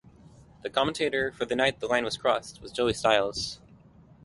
The commentator for The Night the Line Was Crossed was Joey Styles.